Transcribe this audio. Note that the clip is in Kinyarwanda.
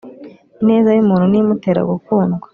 Ineza yumuntu niyo imutera gukundwa